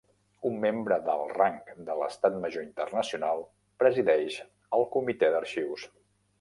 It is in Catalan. Un membre d'alt rang de l'Estat Major Internacional presideix el Comitè d'Arxius.